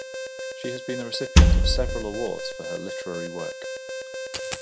She has been the recipient of several awards for her literary work.